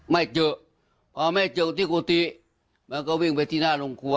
ไม่เจอพอไม่เจอที่กุฏิมันก็วิ่งไปที่หน้าโรงครัว